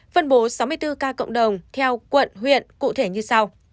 phân bố sáu mươi bốn ca cộng đồng theo quận huyện cụ thể như sau